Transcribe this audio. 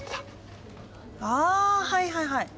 ああはいはいはい。